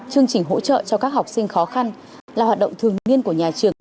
chương trình hỗ trợ cho các học sinh khó khăn là hoạt động thường niên của nhà trường